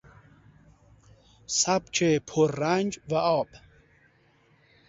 سبک پررنگ و آب